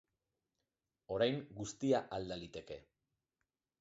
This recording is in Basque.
Orain, guztia alda liteke.